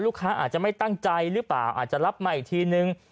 อาจจะไม่ตั้งใจหรือเปล่าอาจจะรับมาอีกทีนึง